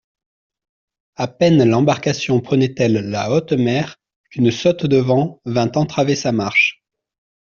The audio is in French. A peine l'embarcation prenait-elle la haute mer qu'une saute de vent vint entraver sa marche.